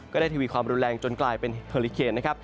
ได้ทีวีความรุนแรงจนกลายเป็นเทอลิเคนนะครับ